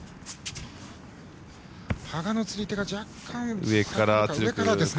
羽賀の釣り手が若干上からですね。